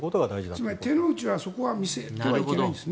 つまり手の内は見せてはいけないんですね。